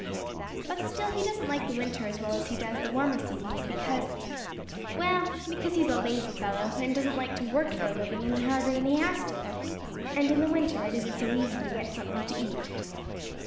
But still he doesn't like the winter as well as he does the warmer seasons because—well, because he is a lazy fellow and doesn't like to work for a living any harder than he has to, and in the winter it isn't so easy to get something to eat.